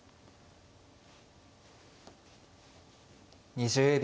２０秒。